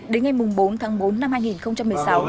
đến ngày bốn tháng bốn năm hai nghìn một mươi sáu